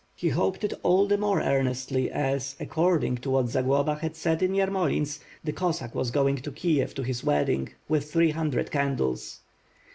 He hoped it all the more earnestly as, according to what Zagloba had said in Yarmolints, the Cos sack was going to Kiev to his wedding, with three hundred candles.